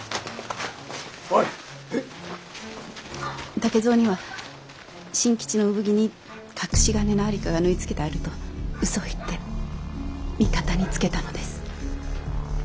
武蔵には「新吉の産着に隠し金の在りかが縫いつけてある」と嘘を言って味方につけたのです。